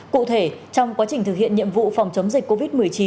cụ thể trong quá trình thực hiện nhiệm vụ phòng chống dịch covid một mươi chín